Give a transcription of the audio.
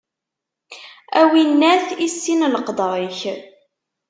A winnat, issin leqder-ik!